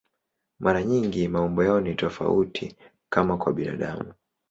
Mara nyingi maumbo yao ni tofauti, kama kwa binadamu.